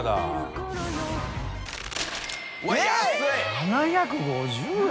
７５０円？